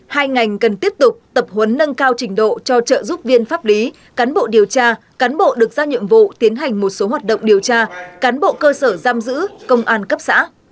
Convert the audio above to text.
hai ngành cần tiếp tục tập huấn nâng cao trình độ cho trợ giúp viên pháp lý cán bộ điều tra cán bộ được giao nhiệm vụ tiến hành một số hoạt động điều tra cán bộ cơ sở giam giữ công an cấp xã